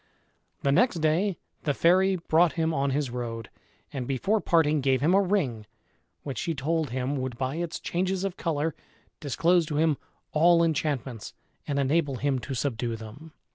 The next day the fairy brought him on his road, and before parting gave him a ring, which she told him would by its changes of color disclose to him all enchantments, and enable him to subdue them.